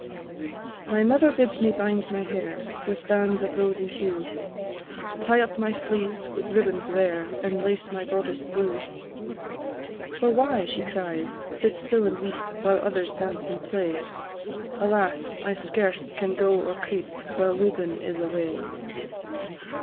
My mother bids me bind my hair With bands of rosy hue, Tie up my sleeves with ribbons rare, And lace my boddice blue. "For why," she cries, "sit still and weep, While others dance and play?" Alas! I scarce can go or creep, While Lubin is away.